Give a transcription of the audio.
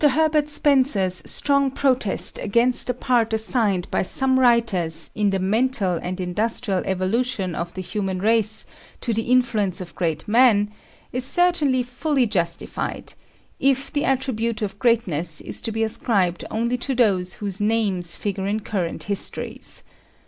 Herbert Spencer's strong protest against the part assigned by some writers in the mental and industrial evolution of the human race to the influence of great men is certainly fully justified, if the attribute of greatness is to be ascribed only to those whose names figure in current histories.